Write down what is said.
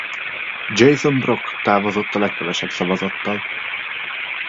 Jason Brock távozott a legkevesebb szavazattal.